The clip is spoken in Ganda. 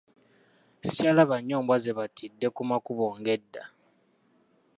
Sikyalaba nnyo mbwa ze battidde ku makubo nga edda.